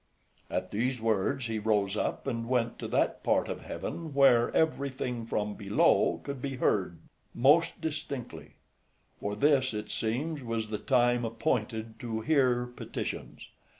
At these words he rose up and went to that part of heaven where everything from below could be heard most distinctly; for this, it seems, was the time appointed to hear petitions.